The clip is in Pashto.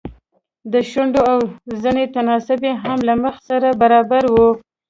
د شونډو او زنې تناسب يې هم له مخ سره برابر و.